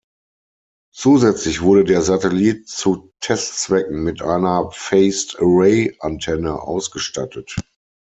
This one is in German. Zusätzlich wurde der Satellit zu Testzwecken mit einer Phased-Array Antenne ausgestattet.